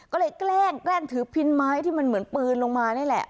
ก็เลยแกล้งแกล้งถือพินไม้ที่มันเหมือนปืนลงมานี่แหละ